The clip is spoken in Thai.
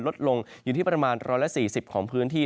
ลดลงอยู่ที่ประมาณ๑๔๐ของพื้นที่